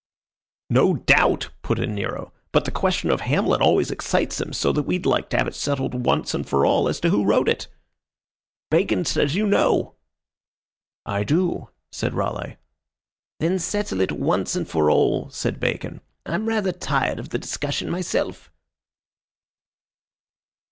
"No doubt," put in Nero. "But the question of Hamlet always excites him so that we'd like to have it settled once and for all as to who wrote it. Bacon says you know." "I do," said Raleigh. "Then settle it once and for all," said Bacon. "I'm rather tired of the discussion myself."